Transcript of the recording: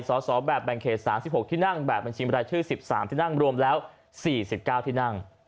สอบแบบแบ่งเขต๓๖ที่นั่งแบบบัญชีบรายชื่อ๑๓ที่นั่งรวมแล้ว๔๙ที่นั่ง